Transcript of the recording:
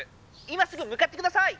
今すぐむかってください！